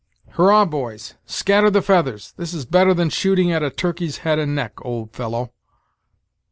Hurrah, boys! scatter the feathers! This is better than shooting at a turkey's head and neck, old fellow."